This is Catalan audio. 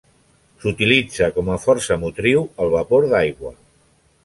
S'utilitza com a força motriu el vapor d'aigua.